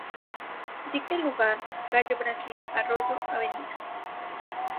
Dique Luján, Calle Brasil, Arroyo, Av.